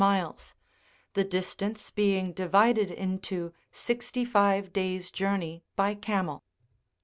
129 miles, the distance being divided into sixty five days' jonrney by camel.